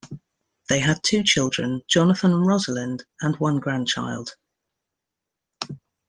They had two children, Jonathan and Rosalind, and one grandchild.